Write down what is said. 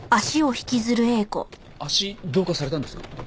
足どうかされたんですか？